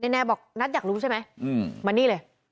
แนบอกนัทอยากรู้ใช่ไหมมานี่เลย